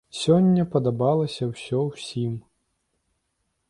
Сёння падабалася ўсё ўсім.